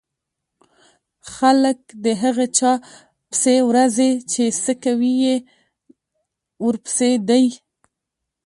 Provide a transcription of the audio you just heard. خلک د هغه چا پسې ورځي چې څکوی يې ورپسې دی.